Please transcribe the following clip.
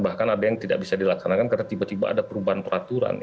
bahkan ada yang tidak bisa dilaksanakan karena tiba tiba ada perubahan peraturan